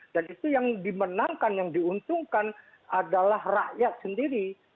dan itu yang dimenangkan yang diuntungkan adalah rakyat sendiri